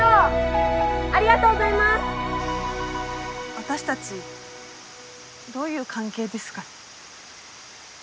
私たちどういう関係ですかね？